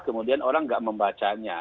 kemudian orang nggak membacanya